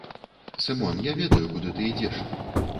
Сымон, я ведаю, куды ты ідзеш.